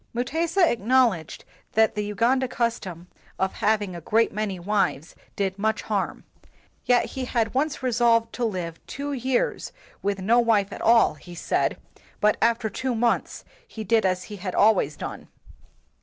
Mutesa acknowledged that the Uganda custom of having a great many wives did much harm ; yet he had once resolved to live two years with no wife at all, he said, but after two months he did as he had always done.